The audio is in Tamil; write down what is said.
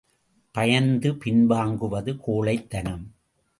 பயந்து பின்வாங்குவது கோழைத்தனம்.